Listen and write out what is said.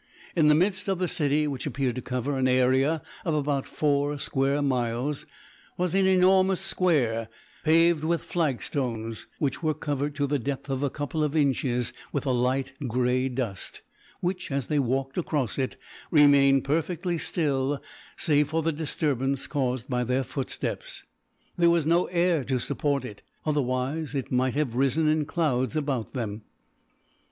In the midst of the city, which appeared to cover an area of about four square miles, was an enormous square paved with flag stones, which were covered to the depth of a couple of inches with a light grey dust, which, as they walked across it, remained perfectly still save for the disturbance caused by their footsteps. There was no air to support it, otherwise it might have risen in clouds about them.